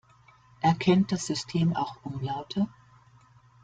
Erkennt das System auch Umlaute?